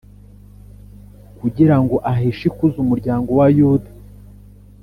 Kugira ngo aheshe ikuzo umuryango wa yuda